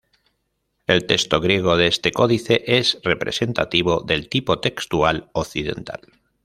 El texto griego de este códice es representativo del tipo textual occidental.